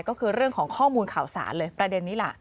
ก็คือเรื่องของข้อมูลข่าวสารเลยประเด็นนี้ล่ะ